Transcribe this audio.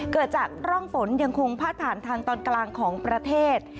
เกิดจากร่องฝนยังคงพาดผ่านทางตอนกลางของประเทศ